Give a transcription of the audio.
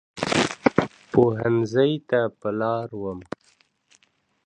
پوهنځۍ ته په لاره وم.